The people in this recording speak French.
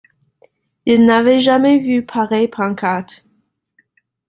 Il n’avait jamais vu pareille pancarte.